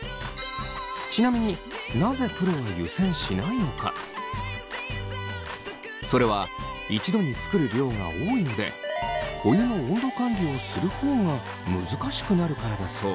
ちなみにそれは一度に作る量が多いのでお湯の温度管理をする方が難しくなるからだそう。